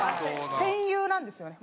戦友なんですよね。